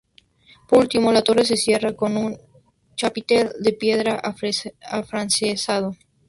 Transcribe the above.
Por último la torre se cierra con un chapitel de piedra afrancesado.